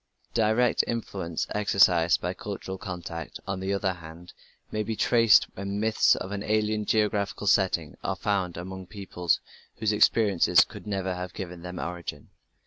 The direct influence exercised by cultural contact, on the other hand, may be traced when myths with an alien geographical setting are found among peoples whose experiences could never have given them origin.